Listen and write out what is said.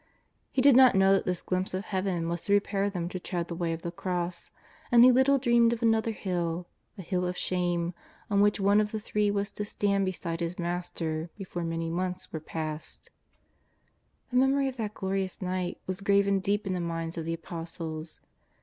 He did not know that this glimpse of Heaven was to prepare them to tread the Way of the Cross, and he little dreamed of another hill, a hill of shame, on which one of the three was to stand beside his Master before many months were passed. The memory of that glorious night was graven deep in the minds of the Apostles.